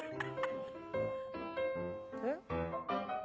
えっ？